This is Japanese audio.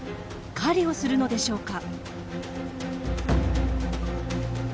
狩りをするのでしょうか？